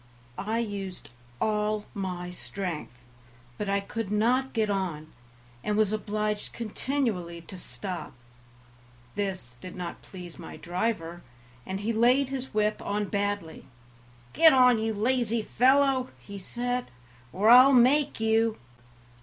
I used all my strength, but I could not get on, and was obliged continually to stop. This did not please my driver, and he laid his whip on badly. "Get on, you lazy fellow," he said, "or I'll make you."